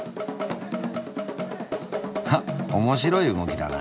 はっ面白い動きだな。